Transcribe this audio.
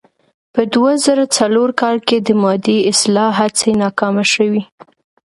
په دوه زره څلور کال کې د مادې اصلاح هڅې ناکامې شوې.